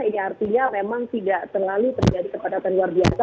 ini artinya memang tidak terlalu terjadi kepadatan luar biasa